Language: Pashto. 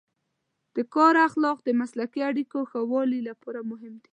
د کار اخلاق د مسلکي اړیکو ښه والي لپاره مهم دی.